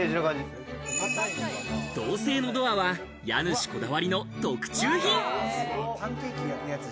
銅製のドアは家主こだわりの特注品。